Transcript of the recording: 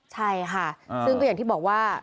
ใช่ค่ะซึ่งก็อย่างที่บอกว่า